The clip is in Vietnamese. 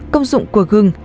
công dụng của gừng